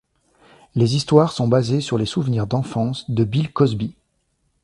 Les histoires sont basées sur les souvenirs d'enfance de Bill Cosby.